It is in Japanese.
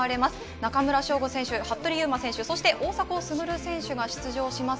中村匠吾選手、服部勇馬選手、そして大迫傑選手が出場します。